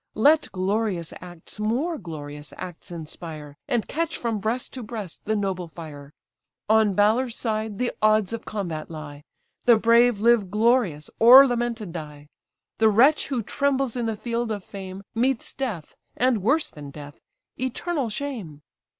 Let glorious acts more glorious acts inspire, And catch from breast to breast the noble fire! On valour's side the odds of combat lie, The brave live glorious, or lamented die; The wretch who trembles in the field of fame, Meets death, and worse than death, eternal shame!"